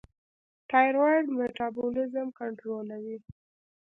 تایرویډ میټابولیزم کنټرولوي.